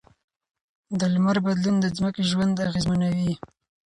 د لمر بدلون د ځمکې ژوند اغېزمنوي.